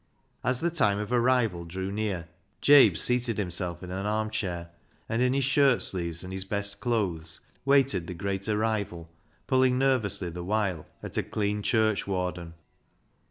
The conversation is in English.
As the time of arrival drew near, Jabe seated himself in an arm chair, and in his shirt sleeves and his best clothes waited the great arrival, pulling nervously the while at a clean church warden.